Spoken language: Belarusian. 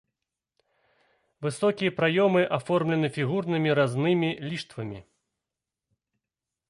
Высокія праёмы аформлены фігурнымі разнымі ліштвамі.